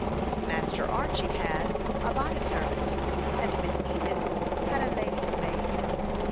Master Archy had a body servant, and Miss Edith had a lady's maid.